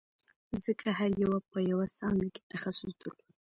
ځکه هر یوه په یوه څانګه کې تخصص درلود